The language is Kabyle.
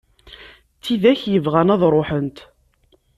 D tidak yebɣan ad ruḥent.